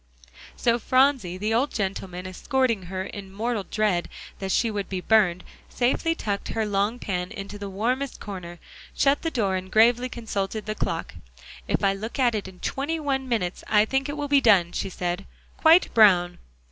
So Phronsie, the old gentleman escorting her in mortal dread that she would be burned, safely tucked her long pan into the warmest corner, shut the door, and gravely consulted the clock. "If I look at it in twenty one minutes, I think it will be done," she said, "quite brown."